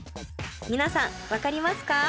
皆さんわかりますか？